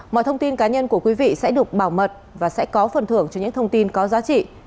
mọi thông tin cá nhân của quý vị sẽ được bảo mật và sẽ có phần thưởng cho những thông tin có giá trị